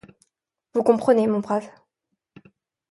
Vous comprenez, mon brave.